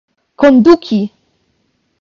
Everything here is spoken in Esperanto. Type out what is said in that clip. konduki